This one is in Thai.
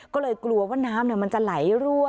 ก็เลยกลัวว่าน้ำมันจะไหลรั่ว